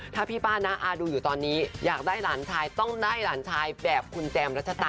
ถ้าพี่ป้าน้าอาดูอยู่ตอนนี้อยากได้หลานชายต้องได้หลานชายแบบคุณแจมรัชตะ